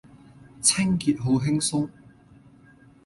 清潔好輕鬆